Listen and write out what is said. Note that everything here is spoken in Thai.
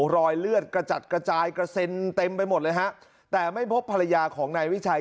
รอยเลือดกระจัดกระจายกระเซ็นเต็มไปหมดเลยฮะแต่ไม่พบภรรยาของนายวิชัย